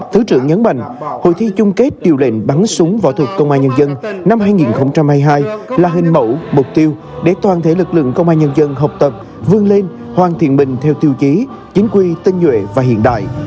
thứ trưởng nhấn mạnh hội thi chung kết điều lệnh bắn súng võ thuật công an nhân dân năm hai nghìn hai mươi hai là hình mẫu mục tiêu để toàn thể lực lượng công an nhân dân học tập vươn lên hoàn thiện mình theo tiêu chí chính quy tinh nhuệ và hiện đại